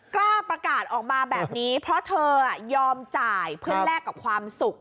กล้าประกาศออกมาแบบนี้เพราะเธอยอมจ่ายเพื่อแลกกับความสุข